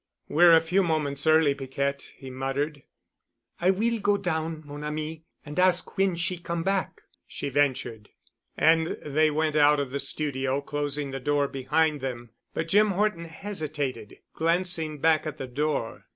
"We're a few moments early, Piquette," he muttered. "I will go down, mon ami, and ask when she come back," she ventured. And they went out of the studio, closing the door behind them. But Jim Horton hesitated, glancing back at the door.